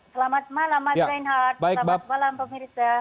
selamat malam mas reinhardt selamat malam pak mirza